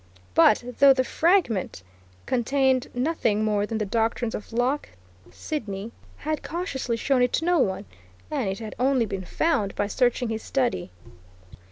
But, though the fragment contained nothing more than the doctrines of Locke, Sidney had cautiously shown it to no one, and it had only been found by searching his study.